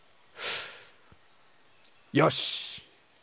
よし！